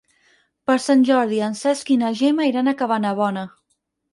Per Sant Jordi en Cesc i na Gemma iran a Cabanabona.